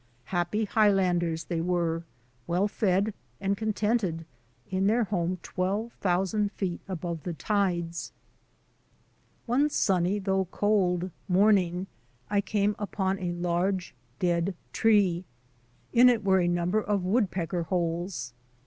Happy Highlanders they were, well fed and contented, in their home twelve thousand feet above the tides. One sunny, though cold, morning I came upon a large dead tree. In it were a number of woodpecker holes.